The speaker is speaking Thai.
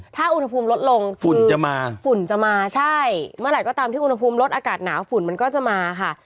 ถ้าอุณหภูมิลดลงฝุ่นจะมาฝุ่นจะมาใช่เมื่อไหร่ก็ตามที่อุณหภูมิลดอากาศหนาวฝุ่นมันก็จะมาค่ะ